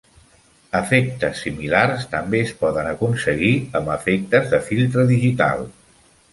Efectes similars també es poden aconseguir amb efectes de filtre digital.